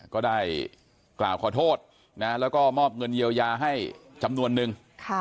ก็ได้กล่าวขอโทษนะแล้วก็มอบเงินเยียวยาให้จำนวนนึง